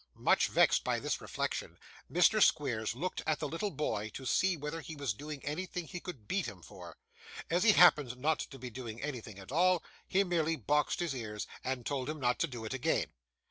Much vexed by this reflection, Mr. Squeers looked at the little boy to see whether he was doing anything he could beat him for. As he happened not to be doing anything at all, he merely boxed his ears, and told him not to do it again.